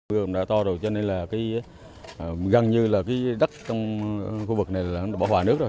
vườn đã to rồi cho nên là gần như là đất trong khu vực này bỏ hỏa nước rồi